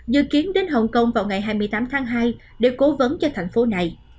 dự kiến đến hồng kông vào ngày hai mươi tám tháng hai